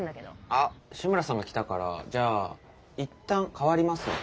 あっ志村さんが来たからじゃあいったん代わりますね。